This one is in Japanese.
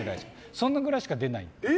そのくらいしか出ない。